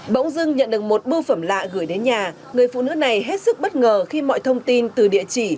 bỗng dưng nhận được một bưu phẩm lạ gửi đến nhà người phụ nữ này hết sức bất ngờ khi mọi thông tin từ địa chỉ